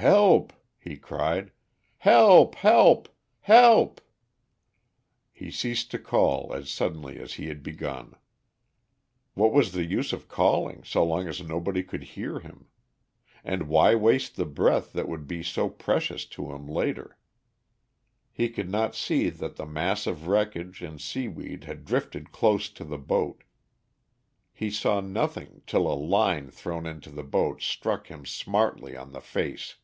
"Help!" he cried. "Help! help! help!" He ceased to call as suddenly as he had begun. What was the use of calling so long as nobody could hear him? And why waste the breath that would be so precious to him later? He could not see that the mass of wreckage and seaweed had drifted close to the boat. He saw nothing till a line thrown into the boat struck him smartly on the face.